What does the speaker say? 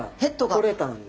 取れたんで。